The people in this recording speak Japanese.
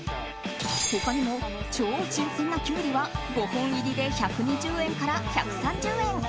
他にも超新鮮なキュウリは５本入りで１２０円から１３０円。